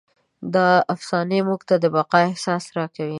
دا افسانې موږ ته د بقا احساس راکوي.